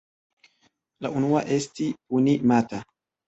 La unua esti Puni-mata.